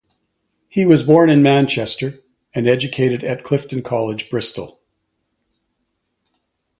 He was born in Manchester and educated at Clifton College, Bristol.